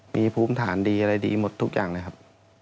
มีภูมิฐานดีอะไรดีหมดทุกอย่างเลยครับ